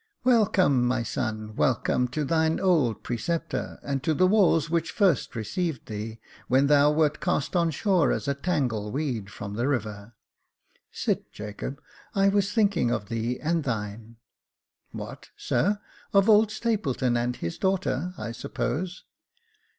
*' Welcome, my son — welcome to thine old preceptor, and to the walls which first received thee, when thou wert cast on shore as a tangle weed from the river. Sit, Jacob ; I was thinking of thee and thine." *' What, sir ! of old Stapleton and his daughter, I suppose."